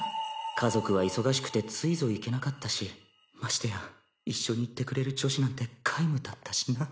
家族は忙しくてついぞ行けなかったしましてや一緒に行ってくれる女子なんて